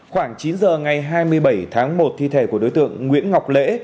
khoảng chín giờ ngày hai mươi bảy tháng một thi thể của đối tượng nguyễn ngọc lễ